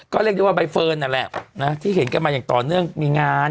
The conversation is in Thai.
ก็เรียกได้ว่าใบเฟิร์นนั่นแหละนะที่เห็นกันมาอย่างต่อเนื่องมีงาน